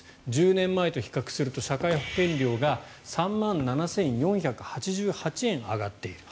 １０年前と比較すると社会保険料が３万７４８８円上がっている。